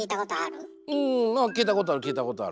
うんまあ聞いたことある聞いたことある。